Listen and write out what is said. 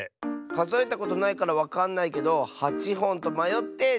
かぞえたことないからわかんないけど８ほんとまよって１４